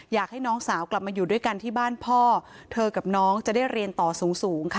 อยากให้น้องสาวกลับมาอยู่ด้วยกันที่บ้านพ่อเธอกับน้องจะได้เรียนต่อสูงสูงค่ะ